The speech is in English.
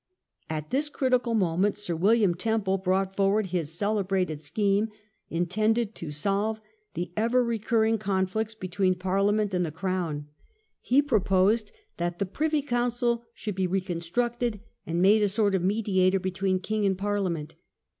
At this critical moment Sir William Temple brought forward his celebrated scheme intended to solve the ever Tcmpic to the recurring conflicts between Parliament and rescue, X679. t^g crown. He proposed that the Privy Council should be reconstructed and made a sort of mediator between king and Parliament.